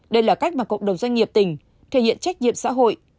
đây là cách mà cộng đồng doanh nghiệp tỉnh thể hiện trách nhiệm xã hội